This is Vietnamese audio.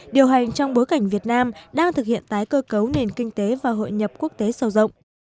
điều hành trong bối cảnh việt nam đang thực hiện tái cơ cấu nền kinh tế và hội nhập quốc tế sâu rộng